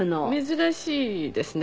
珍しいですね。